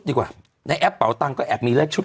เป็นการกระตุ้นการไหลเวียนของเลือด